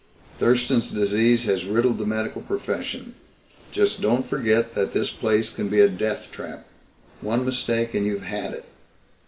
Thurston's Disease has riddled the medical profession. Just don't forget that this place can be a death trap. One mistake and you've had it.